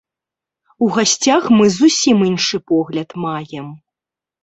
У гасцях мы зусім іншы погляд маем.